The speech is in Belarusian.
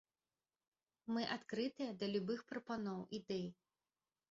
Мы адкрытыя да любых прапаноў, ідэй.